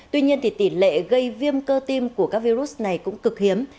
tuy nhiên thì tỷ lệ gây viêm cơ tim của các virus này cũng cực hiếm